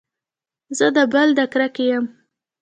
زه د بل د کرکې يم.